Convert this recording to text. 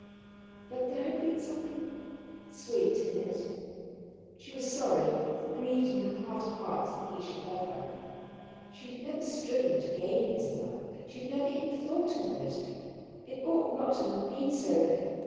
But there had been something sweet in it. She was sorry, grieved in her heart of hearts that he should love her. She had never striven to gain his love. She had never even thought of it. It ought not to have been so.